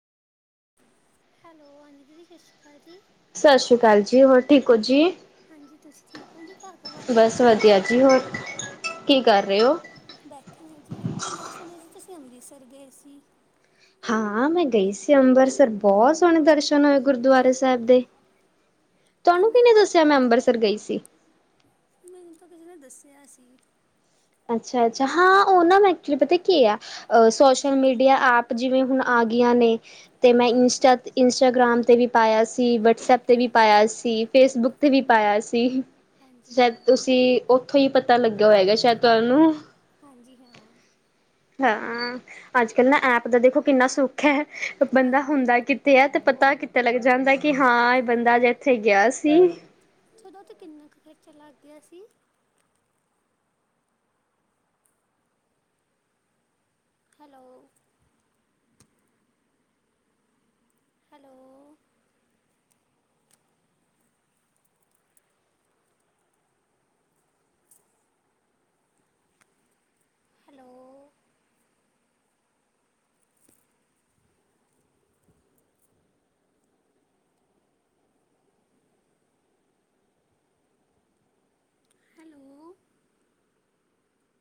Hello ਹਾਂਜੀ ਦੀਦੀ ਸਤਿ ਸ਼੍ਰੀ ਅਕਾਲ ਜੀ। ਸਤਿ ਸ਼੍ਰੀ ਅਕਾਲ ਜੀ ਹੋਰ ਠੀਕ ਹੋ ਜੀ। ਹਾਂਜੀ ਤੁਸੀਂ ਠੀਕ ਹੋ ਜੀ ਘਰ ਪਰਿਵਾਰ ਠੀਕ ਬਸ ਆ ਜੀ। ਵਧੀਆ ਹੋਰ ਕੀ ਕਰ ਰਹੇ ਹੋ ਬੈਠੇ ਹਾਂ ਜੀ ਮੈਂ ਸੁਣਿਆ ਜੀ ਤੁਸੀਂ ਅੰਮ੍ਰਿਤਸਰ ਗਏ ਸੀ। ਹਾਂ ਮੈਂ ਗਈ ਸੀ ਅੰਬਰਸਰ ਬੋਹਤ ਸੋਹਣੇ ਦਰਸ਼ਨ ਹੋਏ ਗੁਰਦੁਆਰੇ ਸਾਹਿਬ ਦੇ ਤੁਆਨੂੰ ਕਿੰਨਾ ਕੁ ਕਿਨੇ ਦੱਸਿਆ ਖਰਚ ਮੈਂ ਅੰਬਰਸਰ ਗਈ ਸੀ। ਮੈਨੂੰ ਤਾਂ ਕਿਸੇ ਨੇ ਦੱਸਿਆ ਸੀ। ਅੱਛਾ, ਅੱਛਾ, ਹਾਂ ਉਹਨਾਂ ਮੈ ਐਕਚੁਲੀ ਪਤਾ ਕੀ ਆ ਸੋਸ਼ਲ ਹਾਂਜੀ ਮੀਡੀਆ ਐਪ ਜਿਵੇਂ ਹੁਣ ਆ ਗਿਆਂ ਨੇ ਤੇ ਮੈਂ ਹਾਂਜੀ ਇੰਸਟਾ ਇੰਸਟਾਗ੍ਰਾਮ ਤੇ ਵੀ ਪਾਇਆ ਸੀ ਵਟਸਪ ਤੇ ਵੀ ਹਾਂਜੀ ਪਾਇਆ ਸੀ, ਫੇਸਬੁੱਕ ਤੇ ਵੀ ਪਾਇਆ ਸੀ, ਹਾਂਜੀ ਹਾਂ ਸ਼ਾਇਦ ਤੁਸੀਂ ਉੱਥੋਂ ਹੀ ਪਤਾ ਲੱਗਿਆ ਹੋਏਗਾ ਸ਼ਾਇਦ ਤੁਹਾਨੂੰ ਹਾਂਜੀ ਹਾਂ। ਅੱਜ ਕੱਲ੍ਹ ਨਾ ਐਪ ਦਾ ਦੇਖੋ ਕਿੰਨਾ ਸੁੱਖ ਹੈ। ਬੰਦਾ ਹਾਂਜੀ ਹੁੰਦਾ ਕਿ ਅਤੇ ਇਹ ਤਾਂ ਪਤਾ ਕਿੱਤੇ ਲੱਗ ਜਾਂਦਾ, ਕਿ ਹਾਂ ਇਹ ਹਾਂਜੀ ਬੰਦਾ ਅੱਜੇ ਇੱਥੇ ਗਿਆ ਸੀ। ਦੋ ਤੇ ਕਿੰਨਾ ਕੁ ਖਰਚਾ ਲੱਗ ਗਿਆ ਸੀ। ਹੈਲੋ। ਹੈਲੋ। Hello hello